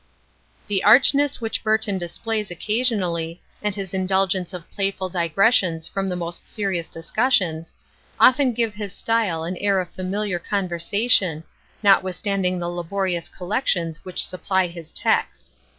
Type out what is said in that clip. The archness which BURTON displays occasionally, and his indulgence of playful digressions from the most serious discussions, often give his style an air of familiar conversation, notwithstanding the laborious collections which supply his text.